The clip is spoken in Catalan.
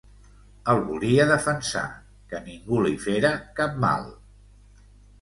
El volia defensar, que ningú li fera cap mal.